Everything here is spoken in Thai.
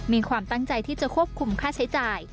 มีความตั้งใจที่จะควบคุมค่าใช้จ่าย